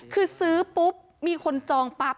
คือซื้อปุ๊บมีคนจองปั๊บ